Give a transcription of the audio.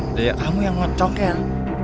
udah yang kamu yang mau cokel